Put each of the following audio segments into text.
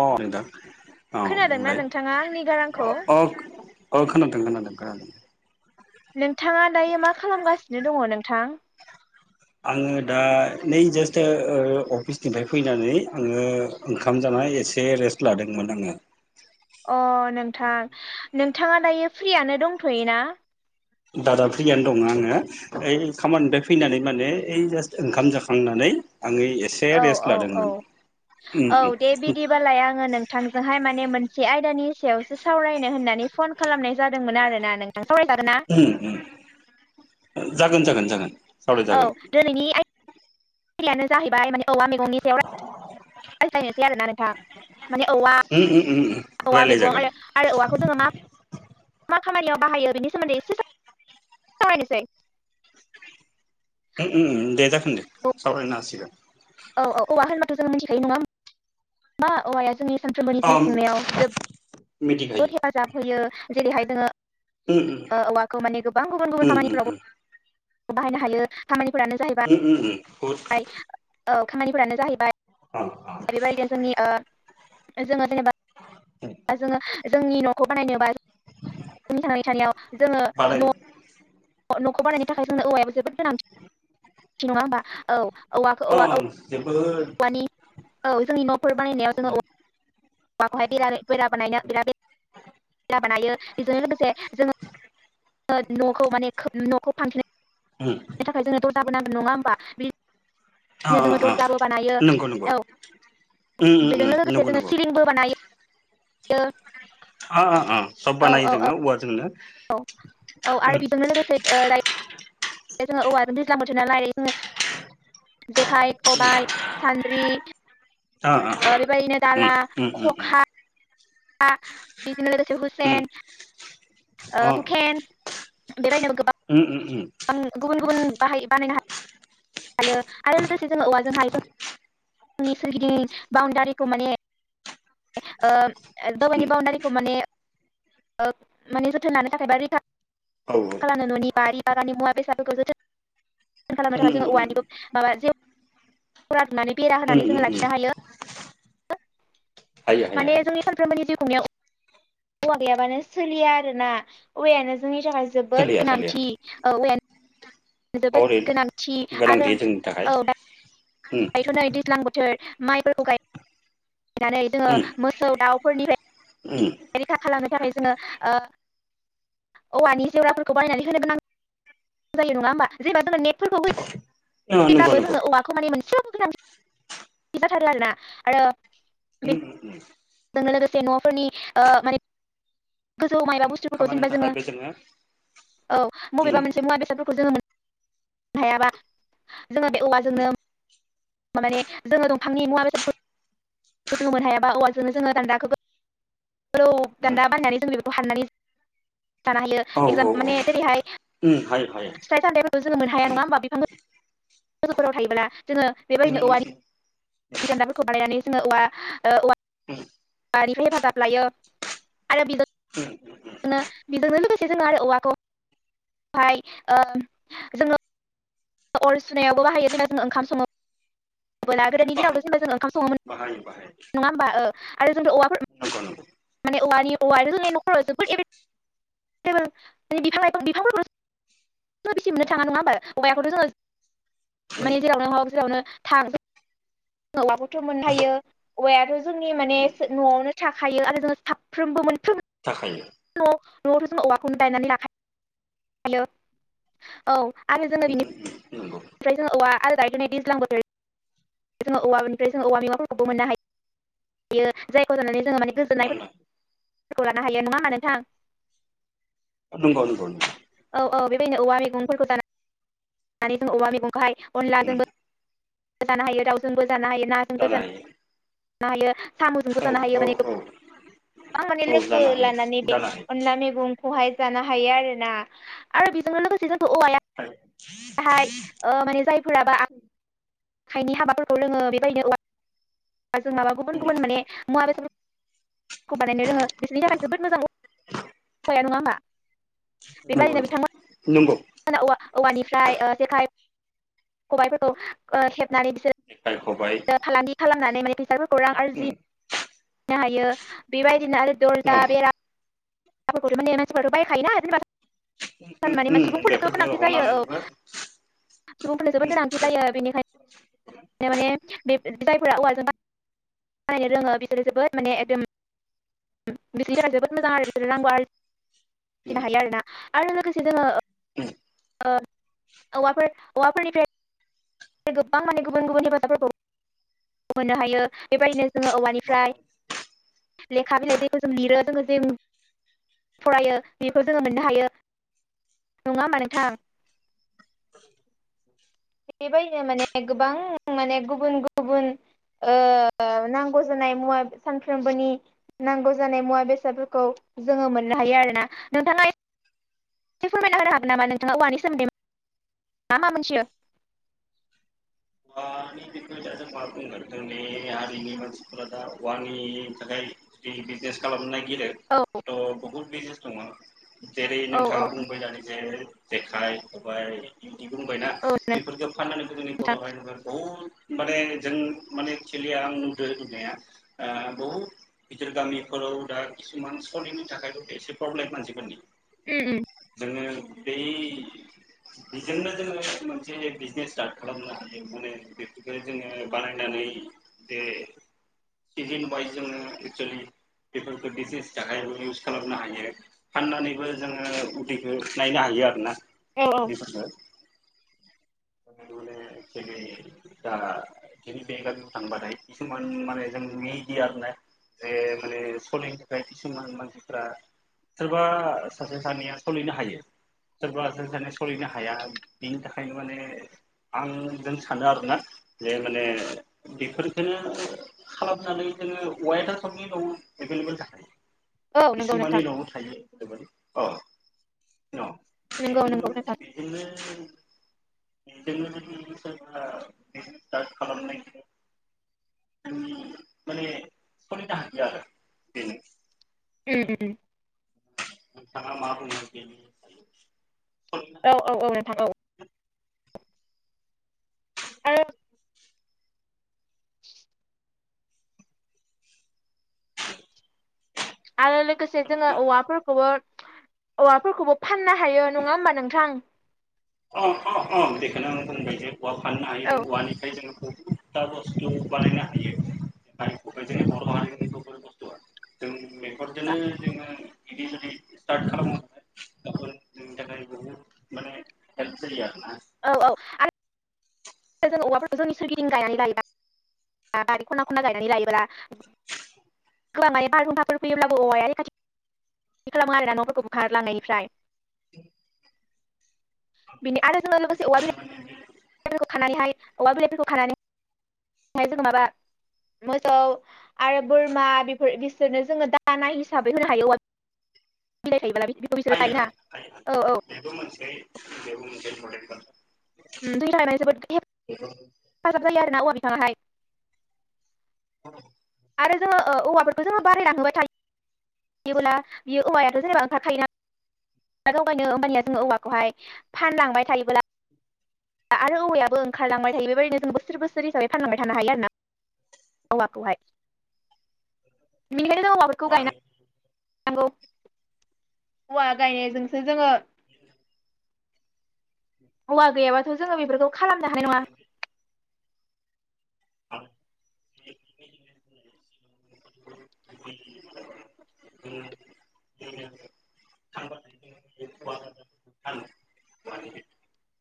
अ नोंथां औ खोनादोंना बुंलाय नोंथाङा आंनि गारांखौ अ औ खोनादों खोनादों खोनादों नोंथांङा दायो मा खालामगासिनो दंङो नोंथां? आंङो दा नै जास्ट अफिसनिफ्राय फैनानै आंङो ओंखाम जानानै। [unintelligible] एसे रेस्ट लादोंमोन आंङो। अ नोंथां नोंथांङा दायो फ्रियनो दंयो ना? दादा फ्रियानो दंङो आंङो ओइ खामानिानिफ्राय फैनानै माने ओइ जास्ट ओंखाम जाखांनानै। आङो एसे औ रेस्ट औ औ लादोंमोन उम औ दे बिदिबालाय आंङो नोंथांजोंहाय माने मोनसे आयदानि सायावस सावरायनो होननानै फन खालामनाय जादोंमोन आरोना नों? सावराय जागोन नाथागोन ना? उम उम जागोन जागोन जागोन। औ सावरायजागोन दिनैनि बिलिायानो जाहैबाय माने औवा मैगंनि सायाव रायज्लायनोसै आरोना नोंथां। माने औवा उम उम उम। औवा मैगं आरो आरो औवाखौ जोंङो मा मा खामानियाव बाहायो बेनि सोमोन्दै एसे सारि सै दे जागोन दे सावरायनो हासिगोन औ औ औवा होनबाथ' जों मिथिखायो नंङा मा औवाया जोंनि। सानफ्रोमबोनि अ जिउ खुंनायाव ज जबोद मिथिखायो हेफाजाब होयो जेरैहाय। उम औवाखौ माने गोबां गुबुन गुबुन उम उम खामानिफ्राव बाहायनो हायो खामानि फोरानो उम उम उम बहुद जाहैबाय औ खामानिफोरानो जाहैबाय। अ बेबायदिनो जोंनि जोंङो जेनेबा जोंङो। जोंनि न'खौ बानायनोबा जोंनि थांनानै थानायाव जोंङो होमबालाय न' न'खौ बानायनो थाखाय जोंनो औवायाबो जोबोद गोनांथि नंङा होमबा औ औवाखौ औवा [unintelligible] औवानि औ जोंनि न'फोर बानायनायाव जोंङो। माखौहाय बिरा फर बानायनो बिराद बे खेला बानायो बेजोंनो लोगोसे जोंङो। न'खौ माने न'खौ उम फानथेनो थाखाय जोंनाथ' दाबोनांगोन नंङा होमबा बि अ बिदिनो जोंङो अ दुरजाबो बानायो नंगौ नंगौ औ उम उम बेजों उम लोगोसे नंगौ जोंङो नंगौ सिलिंबो बानायो अ - अ - अ सब औ बानायो जोंङो [unintelligible] जोंनो औ औ आरो बिजोंनो लोगोसे जोंङो औवाजों दैज्लां थुनाला जोंङो जेखाइ खबाय सान्द्रि अ अ बेबायदिनो उम दाला उम उम उम [unintelligible] उम [unintelligible] अ [unintelligible] [unintelligible] आं गुबुन गुबुन बाहाय बानायनो हायो हायो आरो लोगोसे जों औवाजोंहायो। आंनि सोरगिदिं बाउणडारिखौ माने उम दावबायनि बाउण्डारिखौ माने माने जोथोन लानो थाखायबा रिखा म औ खालामनो न'नि बारि बारानि मुवा बेसादफोरखौ जोथो खालामनो उम थाखाय जों उम औवानि माबा जनानै। बेरा उम होनानै जोंङो उम उम लाखिनो हायो। हायो हायो माने हायो जोंनि सानफ्रोमबोनि जिउ खुंनायाव। औवा गैयाबानो सोलिया आरो ना औवायानो जोंनि थाखाय जोबोद सोलिया सोलिया गोनांथि औवानो। जोबोद हरै गोनांथि आरो गोनांथि जोंनि थाखाय औ। उम गायथ'नाय दैज्लां बोथोर माइफोरखौ गाय। फायनानै जोंङो उम मोसौ उम दाउफोरनिफ्राय रैखा खालामनो थाखाय जोंङो। औवानि जेवराफोरखौ बायनानै होनोबोोनां जायो नंङा होमबा जेबा जोंङो ने फोरखौ अ नंगौ होयोब्लााबो नंगौ जोंनो औवाखौ माने मोनसे बाथ्रा लोना आरो। उम। दसे न'फोरनि माने गोजौ मायबा बुस्थुफोरखौ खामानिनि जेनेबा जोङो थाखायबो औ उम बबेबा मोनसे मुवा बेसादफोरखौ जोङो मोनो। हायाबा जोङो बे औवाजोंनो। माने जोङो दंफांनि मुवा बेसादफोर जोङो मोननो हायाबा औवाजोंनो जोङो दान्दाखौबो गो उम दान्दा बानायनानै जों बेखौ हारनानै जायो [unintelligible] जानो हायो औ एक्जामपोल औ माने जेरैहाय। उम हायो हायो फिथाइ सामथायफोरबो जोङो मोननो हाया नङा होमबा बिफां लोगोफोराव थायोब्ला जोङो। उम बेबायदिनो उम उम औवानि दान्दाफोरखौ बानायनानै जोङो औवा। [unintelligible] हेफाजाब लायो आरो। उम जोंड़ो आरो औवाखौाय जोंनो। अर सुनायावबो बाहायो जेब्ला जों ओंखाम संनायाव ला बेबादि जों आब बाहायो जेनबा जों ओंखाम सङोमोन बाहायो बाहायो नङा होमबा आरो [unintelligible] औवाफोर नंगौ नंगौ माने औवानि औवा ज [unintelligible] बेसे मोननो थाङा नङा होम हयाखौथ' जोङो उम माने जेरावनो हक जेरावनो। थां औवाबखौथ' मोननो हायो औवायाथ' जोंनि माने उम न'आवनो। फिसाखायो आरो जों साफ्रोमबो मोनफ्रोम। थाखायो न' न'आवथ' जों औवाखौनो गायनानै लाखायो औ। [unintelligible] औ औवा आलादायै दैज्लां बोथोरनि जोङो औवानिफ्राय जोङ औवा ममाफोरखौबो मोननो हायोायो जायखौ जानानै। जोङो माने मानोना गोजोननायफोरखौ लानो हायो नङा होमा नोंथां नोंगौनो औ औ बेबायदिनो औवा मैगंफोरखौ दानानैानानै द औवा मैगंखौहाय अनला उम दबो। जानो हायो दावजोंबो जानो हायो नाजों जानो हायो गोजानोानो हायो। साम'जोंबो थानो हायो औ माने औ औ गोबां माने औ लोगो जानो लानानै हायो बे जानो अनला मैगं खौहाय जानो हायो आरोोना आरो बेजों लोगोसे जोंखौ औवाया हायो बेहाय माने जायफोराबो आखाइनि हाबाफोरखौ लोङो बेबायदिनो औवा। आरो जों माबा गुबुन गुबुन माने मुा बेसाद खौखौ बानायनो रोङो बिसोरनि थाखाय जोबोद मोजां हवाया नङा हा न नोंगौ नंगौ नोंगौ औ औवानिफ्राय जेखाइ खबायफोरखौ हेबनानै। जेखाइ खबाइ फालांगि खालामनानै माने फैसाफोरखौ रां उम आरजिनो हायो बेबायदि। बिदि आरो दरजा औ बेराफोरखौ माने मानसिफोरथ' बायखायोना उम सानमानि मा उम सुबुंफोरनोथ' बेफोरखौ गोनांथि जायो औ हनानैबो सुबुंफोर जोबोद गोरामथि जायो बेनिखायनो माने बे जायफोरा औवाजों बानायनो रोङो बेखौ जोबोद माने एकदम बिदिा जोबोद मोजां आरो बिदिनो नांगौ आरोनो हायो आरोोना आरो लोगोसे जोङो। [inaudible] औवा फोरनिफ्राय औवाफोरनिफ्राय गोबां माने गुबुन गुबुन हेफाजाबफोरखौ मोननो हायो बेबायदिनो। जोङो औवानिफ्राय लेखा बिलाइजोंखौ जों लिरो जोङो जों फरायो बेखौ जोङो मोननो हायो नङा हा नोंथां बेबायनो माने गोबां माने गुबुन गुबुन ओ नांगौ जानाय मुवा सानफ्रोमबोनि नांगौ जानाय मुवा बेसादफोरखौ जोङो मोननो हायो आरोना नोंथाङा ए [inaudible] से फोरमायना होनो हागोन नामा नोंथाङा औवानि सोमोन्दै। मा मा मोनथियो औवानि बिखय दा जों मा बुंगोन जोंनि हारिनि मानसिफोरा दा औवानि थाखाय। बिजनेस खालामनाय। गेदे औ थह बुहुत बिजनेस दङ जेरै औ औ नोंथाङा बुंबाय दानि जे जेखाइ खबाय बिदि बुंबायना औ बेफोरखौ फाननानै गोदोनि नोंथां बर' हारिया। बहुत माने जों माने थिलिया आं नुदों बुंनाया बहुद गिदिर गामिफोराव दा किसुमान सलिनो थाखायथ' एसे प्रब्लेम मानसिफोरनि। उम उम जोङो बै बेजोंनो जोङो मोनसे बिजनेस स्टार्ट खालामनो हा माने बेफोरखौ जोङो बानायनानै बे सिजेन वायस जोङो एक्सुलि बेफोरखौ डिसिसनि थाखाय इउस खालामनो हायो फाननानैबो जोङो उदैखौ नायनो हायो। आरोना औ औ बेफोरखौ जेरै दा जोंनि बे गामियाव थांबाथाय किसुमान माने जों मिडियाहोननाय बे माने सलिनो थाखाय किसुमान मानसिफ्रा सोरबा सासे सानैया सोलिनो हायो। सोरबा सोर सोलिनो हाया बिनि थाखायनो माने आं जों सानो आरोना जे माने बेफोरफोरखौनो खालामनानै जोङो औवायाथ' सबनि न'आव एभेलेबल जाखायो। औ नंगौ किसुमाननि नोंथां न'आव थायो ओब औ। न' नंगौ बिजों नंगौ नो नोंथां बिजों नो बिजों नो जोंहा स्टार्ट खालामनाय माने [unintelligible] बेनो उम नोंथाङा मा बुङो बेनि सायाव सलिनो औ औ औ नोंथां औ आरो आरो लोगोसे जोङो हागोन औवाफोरखौबो औवाफोरखौबो फाननो हायो नङा होमबा नोंथां अ अ अ बेखौनो आं बुंबाय जे औवा फाननो हायो जों औ औवानिफ्राय जों बस्थु बानायनो हायो [unintelligible] जों मेखरजोंनो जोङो [unintelligible] जोंनि थाखाय बुहुद माने हेल्प जायो आरो औ औ आरो जों औवाफोरखौ जोंनि सोरगिदिं गायनानै लायोना बारि खना खना गायनानै लायोब्ला गोबां माने बारहुंखाफोर फैयोब्लाबो औवाया रैखाथि खालामो आरो ना न'फोरखौ बोखार लांनायनिफ्राय [inaudible] बिनि आरो जोङो लोगोसे औवा बिलाय खानानैहाय औवा बिलाइफोरखौ खानानैहाय जों माबा मोसौ आरो बोरमा बेफोर बिसोरनो जोङो दाना हिसाबै होनो हायो औवा नि बिलाइ थायोब्ला हायो हायो औ औ बेबो मोनसे बेबो मोनसे [unintelligible] ओम जोंनि थाखाय जोबोद बेबो हेफाजाब जायो आरोना औवा बिफाङाहाय औ। आरो जोङो औवाफोरखौ जोङो बारायलां होबाय थायो बियोब्ला बेयो औवायाथ' [unintelligible] जावगायनो होमबानिया जोङो औवाखौहाय फानलांबाय थायोब्ला आरो औवायाबो ओंखारलांबाय थायो बेबायदिनो जों बोसोर बोसोर हिसाबै फानलांबाय थानो हायो आरोना औवाखौहाय बेखायनो औवाफोरखौ गायना नौ औवा गायनायजोंसो जोङो औवा गैयाबाथ' जोङो बेफोरखौ खालामनो हानाय नङा औवानि [inaudible] [unintelligible] [unintelligible]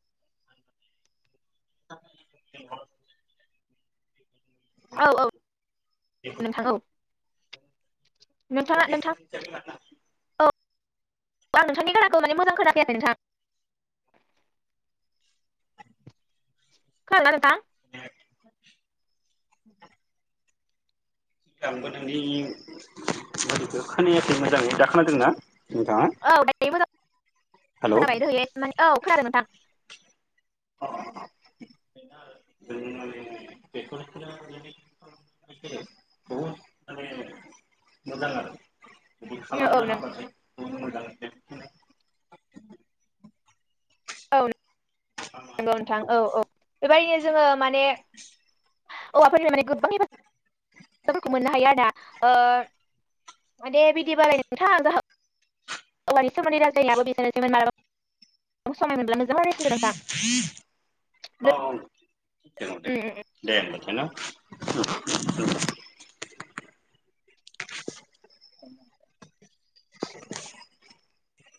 [unintelligible] औ औ नोंथां औ नोंथाङा नोंथां औ [unintelligible] आं नोंथांनि गारांखौ माने मोजां खोनाखै आरो नोंथां खोनादोंना नोंथां [unintelligible] आंबो नोंनि [unintelligible] खोनायाखै मोजाङै दाखोनादोंना औ दायो मोजां हेलौ खोनाबाय दहायो माने औ खोनादों नोंथां [unintelligible] जों बे [unintelligible] [unintelligible] माने मोजां आरो [unintelligible] औ खालामनो नों हाबाथाय मोजां [unintelligible] नंगौ नोंथां औ औ बेबायदिनो जोङो माने औवाफोरनिफ्राय माने गोबां हेफाजाब फोरखौ मोननो हायो आरोना ओ माने बिदि बाराय नोंथां [unintelligible] [unintelligible] [unintelligible] रायलायसिगोन नोंथां ओ दे दे [unintelligible] [inaudible] [unintelligible]